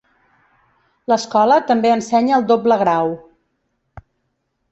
L'escola també ensenya el doble grau.